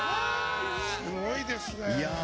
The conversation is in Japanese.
すごいですね。